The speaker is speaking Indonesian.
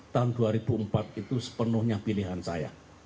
tahun dua ribu empat itu sepenuhnya pilihan saya